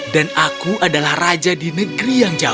dan aku adalah raja di negeri yang jauh